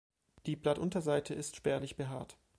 Die Blattunterseite ist spärlich behaart.